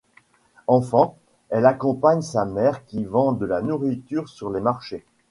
Enfant, elle accompagne sa mère qui vend de la nourriture sur les marchés.